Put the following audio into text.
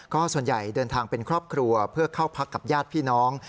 ก็ส่วนใหญ่เดินทางเป็นครอบครัวเพื่อเข้าพักกับญาติพี่น้อง